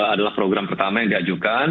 adalah program pertama yang diajukan